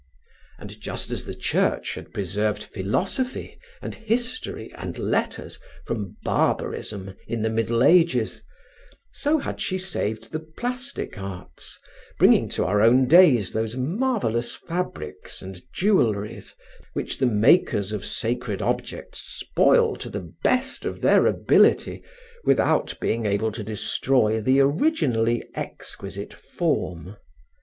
And just as the Church had preserved philosophy and history and letters from barbarism in the Middle Ages, so had she saved the plastic arts, bringing to our own days those marvelous fabrics and jewelries which the makers of sacred objects spoil to the best of their ability, without being able to destroy the originally exquisite form.